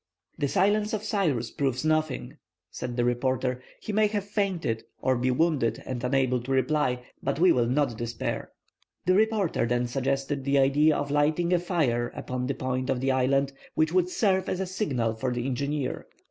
"The silence of Cyrus proves nothing," said the reporter. "He may have fainted, or be wounded, and unable to reply, but we will not despair." The reporter then suggested the idea of lighting a fire upon the point of the island, which would serve as a signal for the engineer.